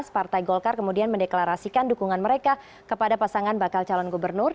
partai golkar kemudian mendeklarasikan dukungan mereka kepada pasangan bakal calon gubernur